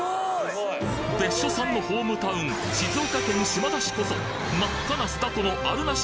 別所さんのホームタウン静岡県島田市こそ真っ赤な酢だこのあるなし